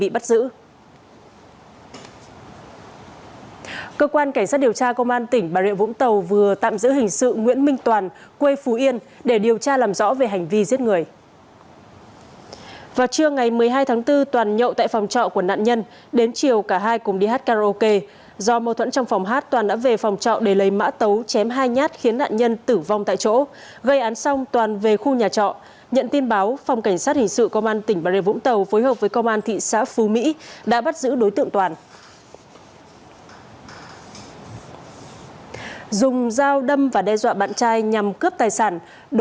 bùi thị mỹ tiên chú tại huyện châu thành a vừa bị cơ quan cảnh sát điều tra công an huyện châu thành a tỉnh hậu giang khởi tố bắt tạm giam để điều tra về tội cướp tài sản